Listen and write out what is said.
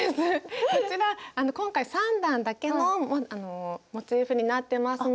こちら今回３段だけのモチーフになってますので。